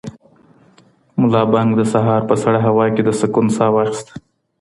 ملا بانګ د سهار په سړه هوا کې د سکون ساه واخیسته.